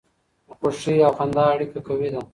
د خوښۍ او خندا اړیکه قوي ده.